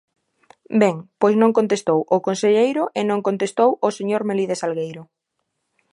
Ben, pois non contestou o conselleiro e non contestou o señor Melide Salgueiro.